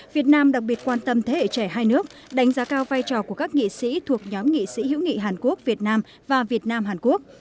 việt nam đặc biệt quan tâm thế hệ trẻ hai nước đánh giá cao vai trò của các nghị sĩ thuộc nhóm nghị sĩ hữu nghị hàn quốc việt nam và việt nam hàn quốc